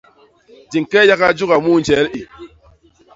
Di ñke yaga jôga mu njel i!